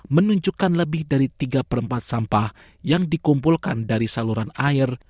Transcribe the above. menunjukkan lebih dari tiga per empat sampah yang dikumpulkan dari saluran air